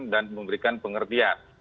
dan memberikan pengertian